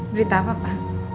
berita apa pa